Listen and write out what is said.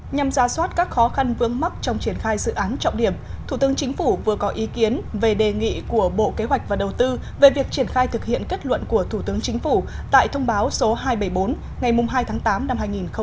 nhằm ra soát các khó khăn vướng mắc trong triển khai dự án trọng điểm thủ tướng chính phủ vừa có ý kiến về đề nghị của bộ kế hoạch và đầu tư về việc triển khai thực hiện kết luận của thủ tướng chính phủ tại thông báo số hai trăm bảy mươi bốn ngày hai tháng tám năm hai nghìn một mươi chín